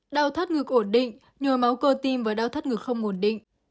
đau thắt ngực ổn định nhồi máu cơ tim và đau thắt ngực không ổn định